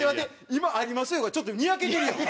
今「ありますよ」がちょっとニヤけてるやん！